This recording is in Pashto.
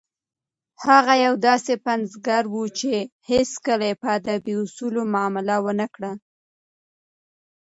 هغه یو داسې پنځګر و چې هیڅکله یې په ادبي اصولو معامله ونه کړه.